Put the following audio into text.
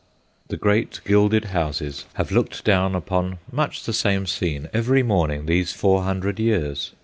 The great gilded houses have looked down upon much the same scene every morning these four hundred years.